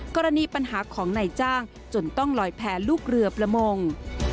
กรณีปัญหาของนายจ้างจนต้องลอยแพ้ลูกเรือประมง